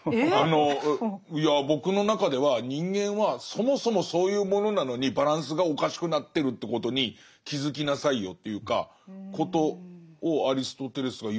僕の中では人間はそもそもそういうものなのにバランスがおかしくなってるということに気付きなさいよということをアリストテレスが言ってる気がして。